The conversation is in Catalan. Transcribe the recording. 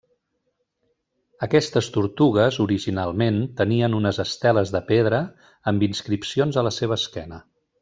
Aquestes tortugues originalment tenien unes esteles de pedra amb inscripcions a la seva esquena.